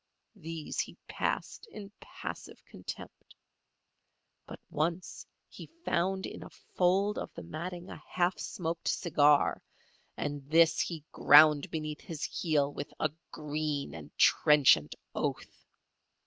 These he passed in passive contempt. But once he found in a fold of the matting a half smoked cigar, and this he ground beneath his heel with a green and trenchant oath.